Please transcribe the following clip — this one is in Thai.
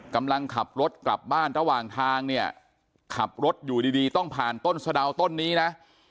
กำลังขับรถกลับบ้านระหว่างทางเนี่ยขับรถอยู่ดีต้องผ่านต้นสะดาวต้นนี้นะ